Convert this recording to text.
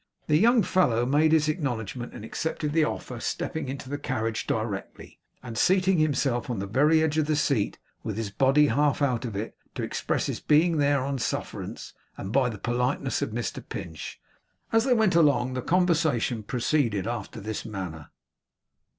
The young fellow made his acknowledgments and accepted the offer; stepping into the carriage directly, and seating himself on the very edge of the seat with his body half out of it, to express his being there on sufferance, and by the politeness of Mr Pinch. As they went along, the conversation proceeded after this manner.